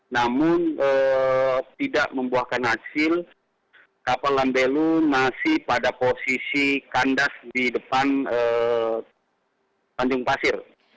namun tidak membuahkan hasil kapal lambelu masih pada posisi kandas di depan tanjung pasir